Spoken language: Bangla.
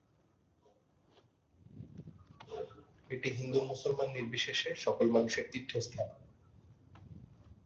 এটি হিন্দু-মুসলমান নির্বিশেষে সকল মানুষের তীর্থস্থান।